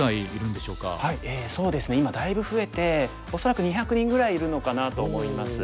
そうですね今だいぶ増えて恐らく２００人ぐらいいるのかなと思います。